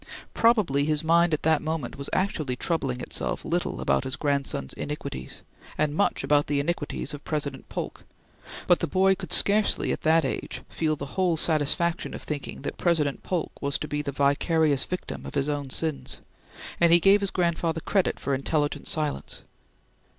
Probably his mind at that moment was actually troubling itself little about his grandson's iniquities, and much about the iniquities of President Polk, but the boy could scarcely at that age feel the whole satisfaction of thinking that President Polk was to be the vicarious victim of his own sins, and he gave his grandfather credit for intelligent silence.